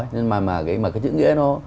nhưng mà cái chữ nghĩa nó